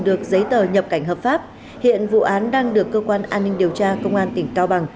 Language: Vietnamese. được giấy tờ nhập cảnh hợp pháp hiện vụ án đang được cơ quan an ninh điều tra công an tỉnh cao bằng